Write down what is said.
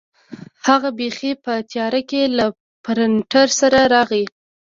هغه بیخي په تیاره کې له پرنټر سره راغی.